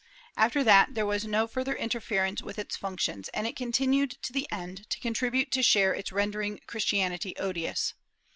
^ After that there was no further interference with its func tions, and it continued to the end to contribute its share to ren dering Christianity odious.